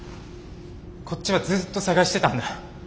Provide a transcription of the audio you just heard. こっちはずっと捜してたんだ。